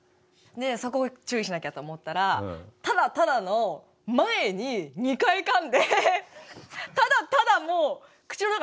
でそこを注意しなきゃと思ったら「ただただ」の前に２回かんで「ただただ」も口の中が爆発して何か言えなくて。